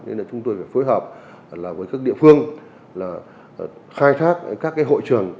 nên là chúng tôi phải phối hợp là với các địa phương là khai thác các hội trường